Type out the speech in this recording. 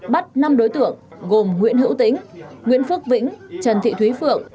bắt năm đối tượng gồm nguyễn hữu tĩnh nguyễn phước vĩnh trần thị thúy phượng